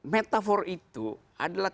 metafor itu adalah